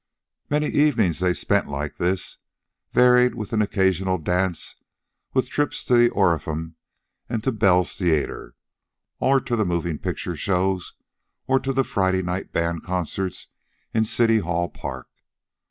Many evenings they spent like this, varied with an occasional dance, with trips to the Orpheum and to Bell's Theater, or to the moving picture shows, or to the Friday night band concerts in City Hall Park.